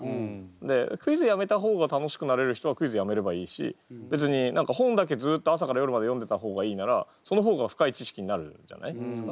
でクイズやめた方が楽しくなれる人はクイズやめればいいし別に本だけずっと朝から夜まで読んでた方がいいならその方が深い知識になるじゃないですか。